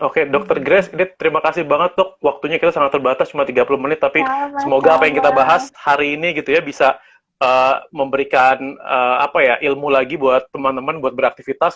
oke dokter grace ini terima kasih banget dok waktunya kita sangat terbatas cuma tiga puluh menit tapi semoga apa yang kita bahas hari ini gitu ya bisa memberikan ilmu lagi buat teman teman buat beraktivitas